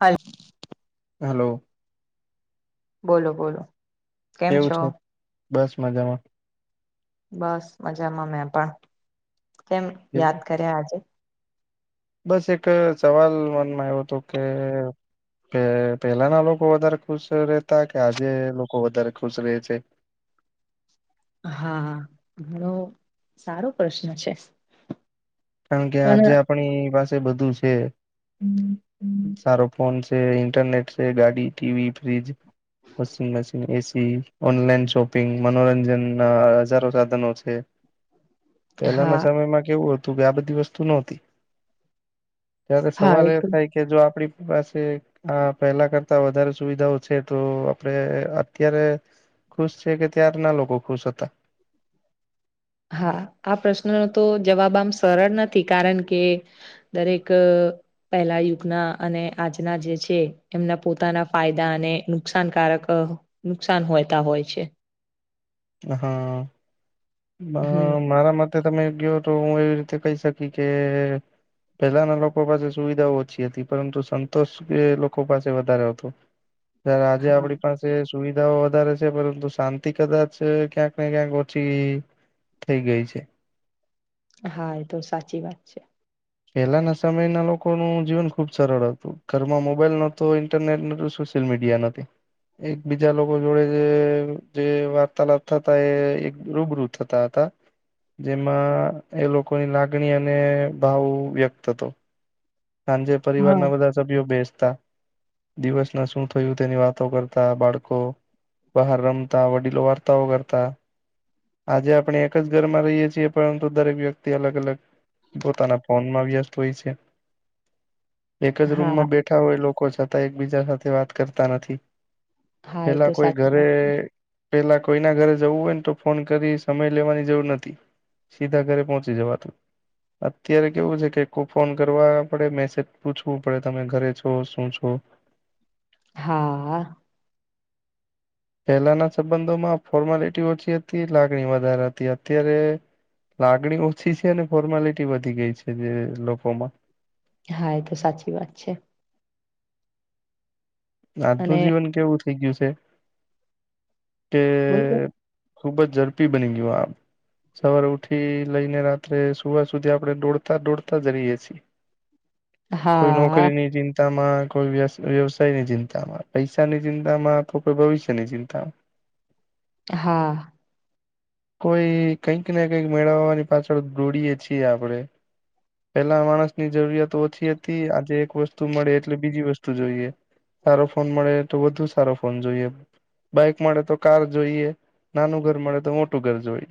હાલ હલો બોલો બોલો, કેમ કેવું છો છે? બસ મજામાં. બસ મજામાં મે પણ કેમ યાદ કેવું? કર્યા આજે બસ એક સવાલ મનમાં એવયો હતો કે કે પેલાના લોકો વધારે ખુશ રહેતા કે આજે લોકો વધારે ખુશ રહે છે.? હા ઘણો સારો પ્રશ્ન છે.? કારણ કે પણ આજે આપણી પાસે બધું છે. સારો ફોન છે. ઇન્ટરનેટ છે ગાડી, TV, fridge washing machine, AC, online shopping મનોરંજન ના હજારો સાધનો છે. પહેલાના હા સમયમાં કેવું હતું કે આ બધી વસ્તુ નો તી. ત્યારે હા સવાલ એ તો થાય કે જો આપડી પાસે હા પેલા કરતા વધારે સુવિધાઓ છે તો આપડે અત્યારે ખુશ છે કે ત્યારના લોકો ખુશ હતા. હા આ પ્રશ્નનો તો જવાબ આમ સરળ નથી કારણ કે. દરેક, પહેલા યુગના અને આજના જે છે એમના પોતાના ફાયદા અને નુકસાનકારક નુકસાન હોયતા હોય છે. હા હમ મારા મત તો તમે ગયો તો હું એવી રીતે કહી શકી કે, પહેલાના લોકો પાસે સુવિધાઓ ઓછી હતી પરંતુ સંતોષ એ લોકો પાસે વધારે હતો. ત્યારે આજે હા આપડી પાસે સુવિધાઓ વધારે છે પરંતુ શાંતિ કદાચ અ ક્યાંક ને ક્યાંક ઓછી થઈ ગઈ છે. હા એ તો સાચી વાત છે. પહેલાના સમયના લોકોનું જીવન ખુબ સરળ હતું ઘરમાં મોબાઈલ નોતો ઇન્ટરનેટ નો, [unintelligible] સોશલ મીડિયા નથી. એક બીજા લોકો જોડે જે જે વાર્તાલાપ થતા એ એક રૂબરૂ થતા હતા જેમાં એ લોકોની લાગણી અને ભાવ વ્યક્ત થતો સાંજે હા પરિવારના બધા સભ્યો બેસતા. દિવસ ના શું થયું તેની વાતો કરતા બાળકો, બહાર રમતા વડીલો વાર્તાઓ કરતા, આજે આપણે એક જ ઘર માં રહીએ છીએ પરંતુ દરેક વ્યક્તિ અલગ અલગ પોતાના ફોન માં વ્યસ્ત હોય છે. એક જ હા રૂમમાં બેઠા હોય લોકો છતાં એકબીજા સાથે વાત કરતા નથી. હા એ તો પેલા કોઈ સાચી વાત ઘરે, પેહલા કોઈના ઘરે જવું હોય ને તો ફોન કરી સમય લેવાની જરૂર નથી. સીધા ઘરે પહોંચી જવાતું અત્યારે કેવું છે કે ફોન કરવા, આપડે મેસેજ પૂછવું પડે તમે ઘરે છો શું છો? હા. [inaudible] [inaudible] [inaudible] પહેલાના સંબંધોમાં ફોર્માલિટી ઓછી હતી લાગણી વધારે હતી અત્યારે, લાગણી ઓછી છે અને ફોર્માલિટી વધી ગઈ છે જે લોકોમાં, હા એ તો સાચી વાત છે. આજનું અને જીવન કેવું થઈ ગયું છે કે બોલો બેન ખૂબ જ ઝડપી બની ગીયો આ, સવાર ઉઠી લઈને રાત્રે સુવાર સુધી આપણે દોડતા દોડતા જ રહીએ છીએ. કોઈ હા, નોકરીની ચિંતામાં કોઈ વ વ્યવસાય ની, ચિંતામાં, પૈસા ની ચિંતા માં, તો કોઈ ભવિષ્યની ચિંતામાં. હા, કોઈ કંઈક ને કંઈક મેળવવાની પાછળ દોડીએ છીએ આપડણે, પેલા માણસ ની જરૂરિયાતો ઓછી હતી આજે એક વસ્તુ મળે એટલે બીજી વસ્તુ જોઈએ. સારો ફોન મળે તો વધુ સારો ફોન જોઈએ. બાઈક મળે તો કાર જોઈએ, નાનું ઘર મળે તો મોટું ઘર જોઈએ.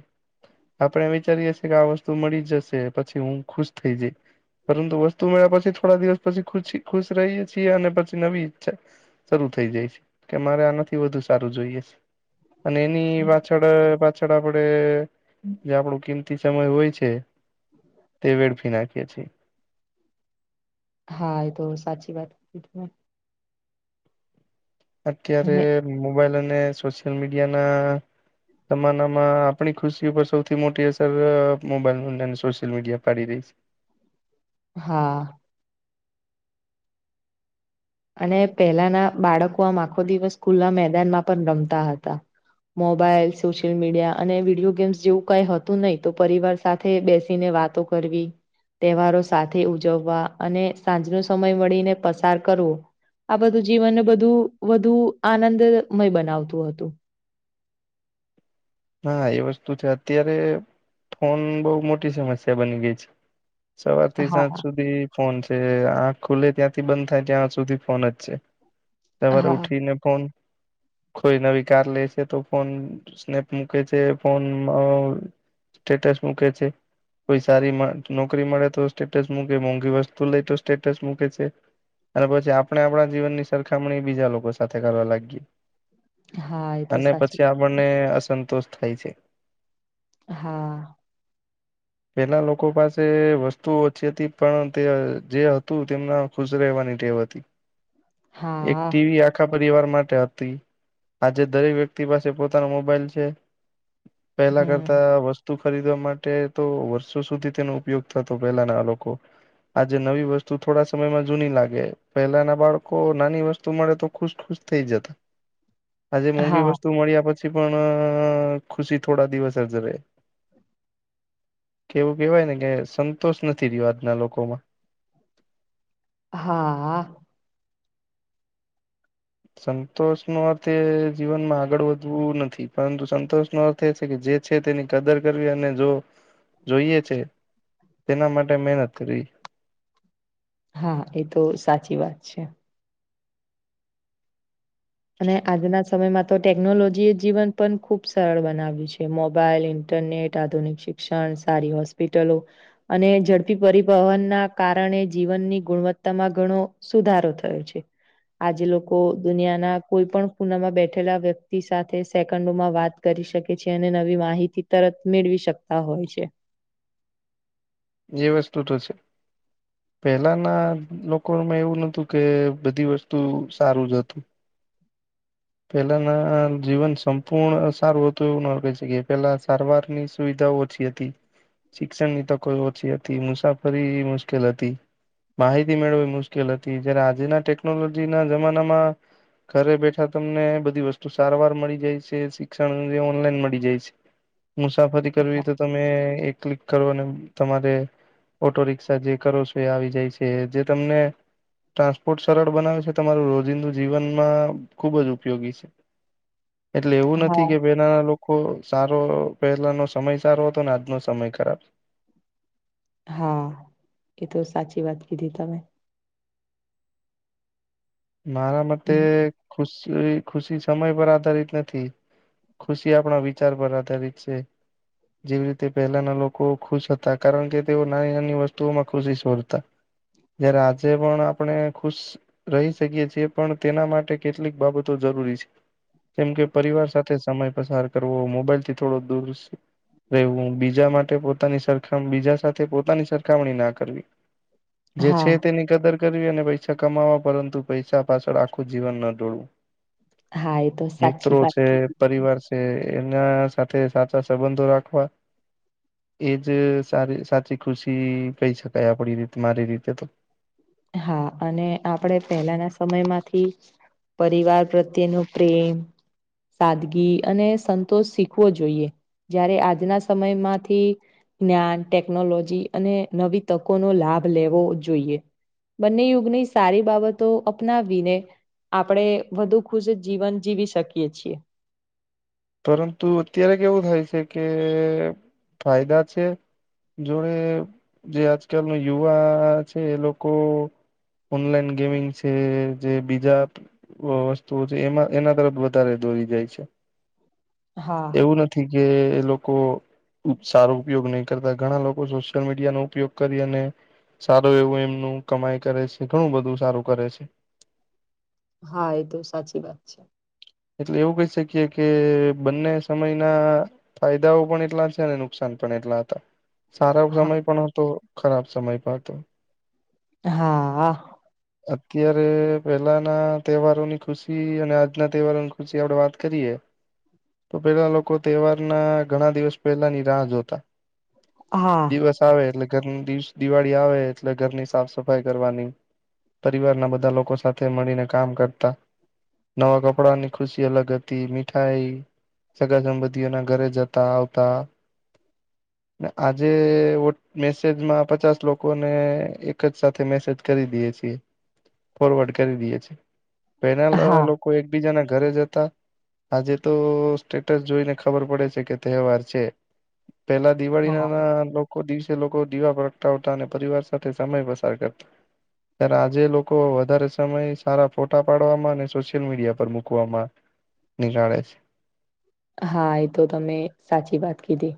આપણે વિચારીએ છીએ કે આ વસ્તુ મળી જશે પછી હું ખુશ થઈ જઈ. પરંતુ વસ્તુ મેળ્યા પછી થોડા દિવસ પછી ખુશી ખુશ રહીએ છીએ અને પછી નવી, ઈચ્છા શરૂુ થઈ જાય છે કે મારે આનાથી વધુ સારું જોઈએ છે. અને એની પાછળ પાછળ આપડે જે આપણું કિંમતી સમય હોય છે. તે વેડફી નાખીએ છીએ. હા એ તો સાચી વાત હતી ત, અત્યારે અને મોબાઈલ અને સોશિયલ મીડિયાના, જમાનામાં આપણી ખુશી ઉપર સૌથી મોટી અસર મોબાઈલ [unintelligible] સોશિયલ મીડિયા પડી રહી છે. હા, અને પહેલાના બાળકો આમ આખો દિવસ સ્કૂલના મેદાનમાં પણ રમતા હતા. મોબાઈલ સોશિયલ મીડિયા અને વિડીયો ગેમ્સ જેવું કઈ હતું નહી તો પરિવાર સાથે બેસીને વાતો કરવી તહેવારો સાથે ઉજવવા અને સાંજનો સમય મળીને પસાર કરવો આ બધું જીવનને બધું વધુ આનંદમય બનાવતું હતું. હા એ વસ્તુ છે અત્યારે ફોન બહ મોટી સમસ્યા બની ગઈ છે. સવારથી સાંજ હા, સુધી ફોન છે આખ ખુલે ત્યાંથી બંધ થાય ત્યાં સુધી ફોન જ છે. સવારે હા, ઉઠીને ફોન કોઈ નવી કાર લે છે તો ફોન સ્નેપ મૂકે છે ફોન સ્ટેટસ મૂકે છે. કોઈ સારી નોકરી મળે તો સ્ટેટસ મૂકે મોંઘી વસ્તુ લઈ તો સ્ટેટસ મૂકે છે. અને પછી આપણે આપણા જીવનની સરખામણી બીજા લોકો સાથે કરવા લાગીએ હા, એ તો અને સાચી પછી આપણને અસંતોષ થાય છે. હા [inaudible] પેલા લોકો પાસે વસ્તુઓ ઓછી હતી પણ તે જે હતું તેમના ખુશ રહેવાની ટેવ હતી એક હા ટીવી આ આખા પરિવાર માટે હતી આજે દરેક વ્યક્તિ પાસે પોતાનો મોબાઈલ છે. પેલા હમ કરતા વસ્તુ. વસ્તુ ખરીદવા માટે તો વર્ષો સુધી તેનો ઉપયોગ થતો પેલાના આ લોકો આજે નવી વસ્તુ થોડા સમયમાં જૂની લાગે. પહેલા ના બાળકો નાની વસ્તુ મળે તો ખુશ ખુશ થઈ જતા. આજે મોંઘી હા વસ્તુ મળ્યા પછી પણ ખુશી થોડા દિવસ જ રહે કે એવું કેહેવાય ને કે સંતોષ નથી રહ્યો આજના લોકો માં હા. સંતોષ નો અર્થ એ જીવનમાં આગળ વધવું નથી પરંતુ સંતોષ નો અર્થ જે છે તેની કદર કરવી અને જો જોઈએ છે. તેના માટે મહેનત કરી. હા એ તો સાચી વાત છે. અને આજના સમયમાં તો ટેકનોલોજી એ જીવન પણ ખુબ સરળ બનાવ્યું છે મોબાઈલ ઇન્ટરનેટ આધુનિક શિક્ષણ સારી હોસ્પિટલો અને ઝડપી પરિવહનના કારણે જીવનની ગુણવત્તામાં ઘણો સુધારો થયો છે આજે લોકો દુનિયાના કોઈ પણ ખુનામાં બેઠેલા વ્યક્તિ સાથે સેકન્ડોમાં વાત કરી શકે છે અને નવી માહિતી તરત મેળવી શકતા હોય છે. જે વસ્તુ તો છે. પહેલાના લોકોમાં એવું નતું કે બધી વસ્તુ સારું જ હતું. પેલા ના જીવન સંપૂર્ણ સારું હતું એવું નાે છે કે પેલા સારવાર ની સુવિધાઓ શિક્ષણની તો કોઈ ઓછી હતી મુસાફરી મુશ્કેલ હતી. માહિતી મેળવી મુશ્કેલ હતી જયારે આજના ટેકનોલોજીના જમાનામાં ઘરે બેઠા આપણને તમને બધી વસ્તુ સારવાર મળી જાય છે શિક્ષણ ઓનલાઈન મળી જાય છે. મુસાફરી કરવી તો તમે એક ક્લિક કરો અને તમારે. ઓટો રિક્ષા જે કરો છો એ આવી જાય છે જે તમને. ટ્રાન્સપોર્ટ સરળ બનાવે છે, તમારું રોજિંદુ જીવનમાં ખુબ જ ઉપયોગી છે, એટલે એવું નથી હા કે પહેલા ના લોકો સારો પહેલા નો સમય સારો હતો ને આજનો સમય ખરાબ છે. હા, એ તો સાચી વાત કીધી તમે. મારા માટે ખુશી, ખુશી સમય પર આધારિત નથી. ખુશી આપણા વિચાર પર આધારિત છે. જેવી રીતે પહેલાના લોકો ખુશ હતા કારણ કે, તેઓ નાની-નાની વસ્તુઓમાં ખુશી શોધતા. જ્યારે આજે પણ આપણે ખુશ રહીશ શકીએ છીએ પણ તેના માટે કેટલીક બાબતો જરૂરી છે. જેમ કે પરિવાર સાથે સમય પસાર કરવો, મોબાઈલ થી થોડો દૂર રહેવું, બીજા માટે પોતાની સરખામણી બીજા સાથે પોતાની સરખામણી ના કરવી. જે છે હા તેની કદર કરવી અને પૈસા કમાવા પરંતુ પૈસા પાછળ આખું જીવન ના દોડવું, હા એ તો સાચી મિત્રો વાત છે, કીધી પરિવાર છે. કે એમના સાથે સાચા સંબંધો રાખવા. એ જ સારી સાચી ખુશી કહી શકાય આપડી રીતે મારી રીતે તો હા અને આપણેે પહેલાના સમયમાંથી પરિવાર પ્રત્યે નો પ્રેમ સાદગી અને સંતોષ શીખવો જોઈએ, જ્યારે આજના સમયમાંથી જ્ઞાન, ટેકનોલોજી અને નવી તકો નો લાભ લેવો જોઈએ. બંને યુગની સારી બાબતો અપનાવી ને આપડે વધુ ખુશ જીવન જીવી શકીએ છીએ. પરંતુ અત્યારે કેવું થાય છે કે, ફાયદા છે? જોડે જે આજકાલ ન યુવા છે, એ લોકો ઓનલાઈન ગેમિંગ છે જે બીજા વસ્તુઓ છે, એમાં એના તરફ વધારે દોરી જાય છે. હા એવું નથી કે, લોકો સારો ઉપયોગ નહી કરતા, ઘણા લોકો સોશિયલ મીડિયા નો ઉપયોગ કરી અને સારું એવું એમનું કમાઈ કરે છે, ઘણું બધું સારું કરે છે. હા, એ તો સાચી વાત છે. એટલે એવું કહી શકીએ કે, બંને સમયના ફાયદાઓ પણ એટલા છે અને નુકસાન પણ એટલા હતા. સારો હા સમય પણ હતો, ખરાબ સમય પણ હતો. હા. અત્યારે પહેલાં ના તહેવારોની ખુશી અને આજના તેહવારુ ની ખુશી આપડે વાત કરીએ તો પેલા લોકો તહેવાર ના ઘણા દિવસ પહેલાની રાહ જોતા. હા દિવસ આવે એટલે ઘર દિવ, દિવાળી આવે એટલે ઘરની સાફ સફાઈ કરવાની. પરિવારના બધા લોકો સાથે મળીને કામ કરતા, નવા થોડાની ખુશી અલગ હતી, મીઠાઈ સગા-સંબંધીઓ ના ઘરે જતા-આવતા, આજે મેસેજમાં પચાસ લોકોને એક જ સાથે મેસેજ કરી દઈએ છીએ. ફોરવર્ડ કરી દીયે છે, પેલાના હા, લોકો એકબીજાના ઘરે જતા આજે તો સ્ટેટસ જોઈને ખબર પડે છે કે, તહેવાર છે પેલા હા, દિવાળીના ના લોકો દિવસે લોકો દીવા પ્રગટાવતા અને પરિવાર સાથે સમય પસાર કરતા. ત્યારે આજે લોકો વધારે સમય સારા ફોટા પાડવા માં અને સોશિયલ મીડિયા પર પર મૂકવામાં નિહાળે છે. હા એ તો તમે સાચી વાત કીધી.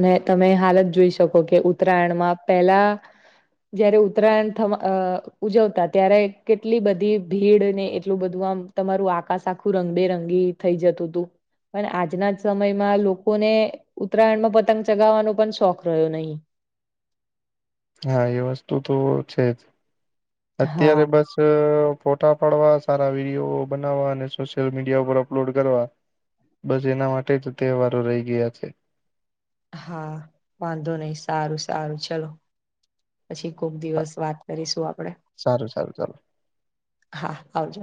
અને તમે હાલત જોઈ શકો કે ઉત્તરાયણમાં પેલા જયારે ઉત્તરાયણ ઉજવતા ત્યારે કેટલી બધી ભીડ અને એટલું બધું આમ તમારું આકાશ આખું રંગબેરંગી થઈ જતું હતું. પણ આજના સમયમાં લોકોને ઉત્તરાયડમાં પતંગ ચગાવાનો પણ શોખ રહ્યો નહીં હા એ વસ્તુ તો છે જ અત્યારે હા, બસ ત ફોટા પાડવા સારા વિડીયો બનાવવા અને સોશિયલ મીડિયા ઉપર અપલોડ કરવા બસ એના માટે જ તહેવારો રહી ગયા છે. હા વાંધો નહી સારું સારું ચલો. પછી કોક દિવસ વાત કરીશું આપડે સારું સારું ચાલો હા આવજો